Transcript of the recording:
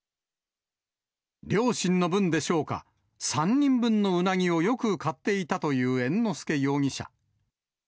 両親の分でしょうか、３人分のうなぎをよく買っていたという猿之助容疑者。